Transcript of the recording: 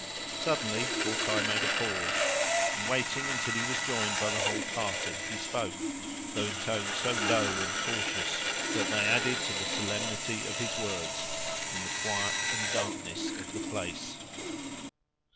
Suddenly, Hawkeye made a pause, and, waiting until he was joined by the whole party, he spoke, though in tones so low and cautious, that they added to the solemnity of his words, in the quiet and darkness of the place.